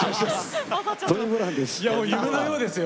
夢のようですよ。